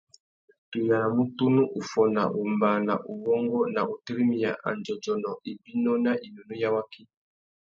Tu yānamú tunu uffôna, wombāna, uwôngô na utirimiya andjôdjônô, ibinô na inúnú ya waki.